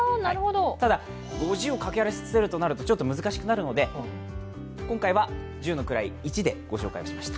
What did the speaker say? ただ、５０を掛けるとなるとちょっと難しくなるので、今回は１０の位、１でご紹介しました。